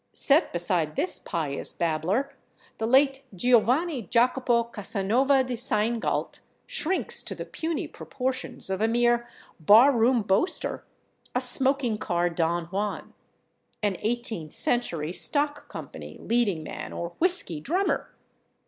Set beside this pious babbler, the late Giovanni Jacopo Casanova de Seingalt shrinks to the puny proportions of a mere barroom boaster, a smoking car Don Juan, an Eighteenth Century stock company leading man or whiskey drummer.